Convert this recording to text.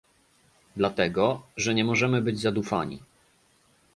Dlatego, że nie możemy być zadufani